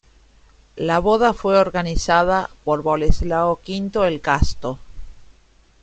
La boda fue organizada por Boleslao V el Casto.